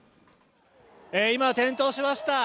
今、点灯しました。